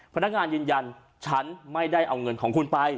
พนักงานยืนยันฉันไม่ได้เอาเงินของคุณไป